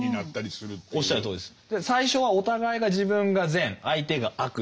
おっしゃるとおりです。